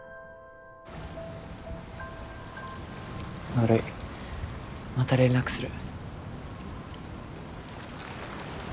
悪いまた連絡する。